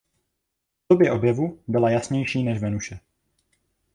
V době objevu byla jasnější než Venuše.